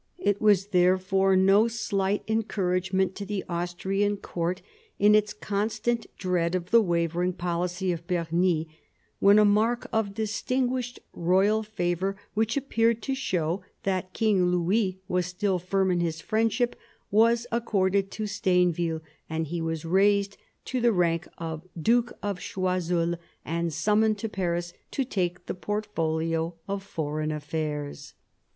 It was therefore no slight encouragement to the Austrian court in its constant dread of the wavering policy of Bernis, when a mark of distinguished royal favour, which appeared to show that King Louis was still firm in his friendship, was accorded to Stainville and he was raised to the rank of Duke of Choiseul, and summoned to Paris to take the portfolio of foreign affairs.